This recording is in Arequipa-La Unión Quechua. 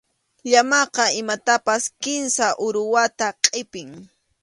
Llamaqa imatapas kimsa aruwata qʼipin.